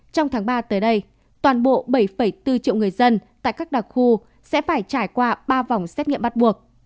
trong tháng ba tới đây toàn bộ bảy bốn triệu người dân tại các đặc khu sẽ phải trải qua ba vòng xét nghiệm bắt buộc